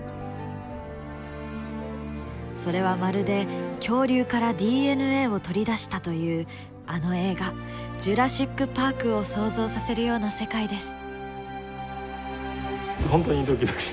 それはまるで恐竜からＤＮＡを取り出したというあの映画「ジュラシック・パーク」を想像させるような世界です。